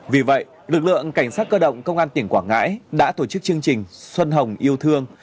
vì vậy lực lượng cảnh sát cơ động công an tỉnh quảng ngãi đã tổ chức chương trình xuân hồng yêu thương